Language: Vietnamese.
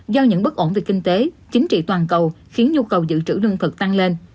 do những bất ổn về kinh tế chính trị toàn cầu khiến nhu cầu dự trữ lương thực tăng lên